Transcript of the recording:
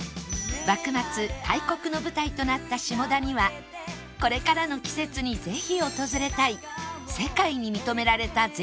幕末開国の舞台となった下田にはこれからの季節にぜひ訪れたい